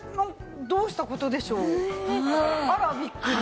どうした事でしょう？あらびっくり。